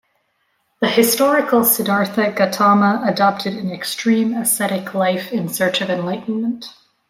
The historical Siddhartha Gautama adopted an extreme ascetic life in search of enlightenment.